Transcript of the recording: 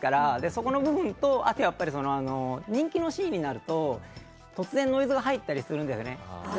そこの部分と、あとはやっぱり人気のシリーズになると突然ノイズが入ったりするんですよね。